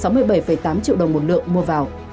sgc tp hcm sáu mươi bảy tám triệu đồng một lượng mua vào